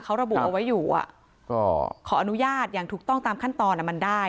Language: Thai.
เขาระบุเอาไว้อยู่อ่ะก็ขออนุญาตอย่างถูกต้องตามขั้นตอนมันได้